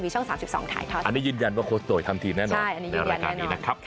ใช่อันนี้ยืนยันแน่นอนในรายการนี้นะครับ